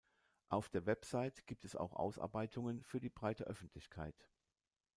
Auf der Website gibt es auch Ausarbeitungen für die breite Öffentlichkeit.